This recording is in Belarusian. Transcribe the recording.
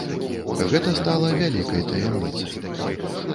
Гэта стала вялікай таямніцай.